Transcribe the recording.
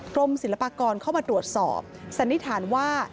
กรมศิลปากรเข้ามาตรวจสอบสันนิษฐานว่า